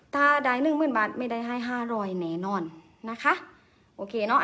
ถ้าได้หนึ่งหมื่นบาทไม่ได้ให้ห้าร้อยแน่นอนนะคะโอเคเนอะ